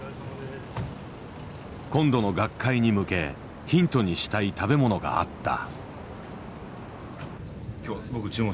今度の学会に向けヒントにしたい食べ物があった。